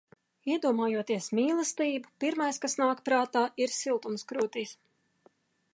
Iedomājoties mīlestību, pirmais, kas nāk prātā ir siltums krūtīs.